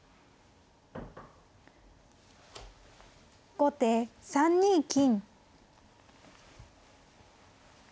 後手３二金。